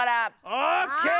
オッケー！